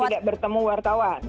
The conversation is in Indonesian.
yang tidak bertemu wartawan